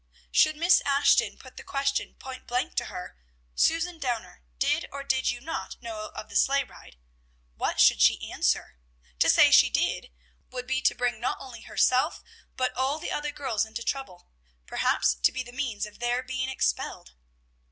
Should Miss Ashton put the question point blank to her, "Susan Downer, did, or did you not, know of the sleigh ride?" What should she answer? To say she did, would be to bring not only herself, but all the other girls into trouble, perhaps to be the means of their being expelled.